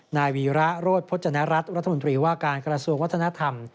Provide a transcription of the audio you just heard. นายวีระโรธพจนรัฐรัฐรัฐมนตรีว่าการกระทรวงวัฒนธรรม